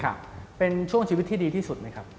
ครับเป็นช่วงชีวิตที่ดีที่สุดไหมครับ